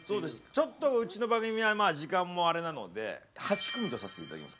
ちょっとうちの番組はまあ時間もあれなので８組とさせて頂きます。